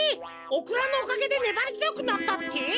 オクラのおかげでねばりづよくなったって？